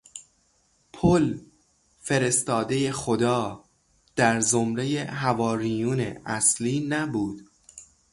پل، فرستاده خدا، در زمرهی حواریون اصلی نبود.